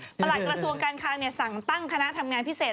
หลักกระทรวงการคังสั่งตั้งคณะทำงานพิเศษ